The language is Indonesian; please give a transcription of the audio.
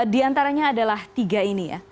di antaranya adalah tiga ini ya